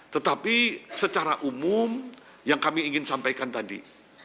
tetapi secara umum yang kami ingin sampaikan tadi